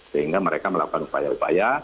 sehingga mereka melakukan upaya upaya